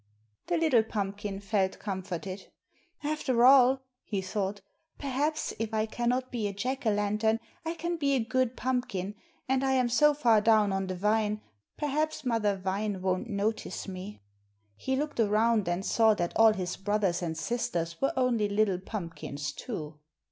The little pumpkin felt comforted. "After all," he thought, "perhaps if I cannot be a Jack o' lantern I can be a good pumpkin, and I am so far down on the vine perhaps Mother Vine won't notice me." He looked around, and saw that all his brothers and sisters were only little pumpkins, too.